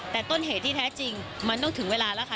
แต่ต้นเหตุที่แท้จริงมันต้องถึงเวลาแล้วค่ะ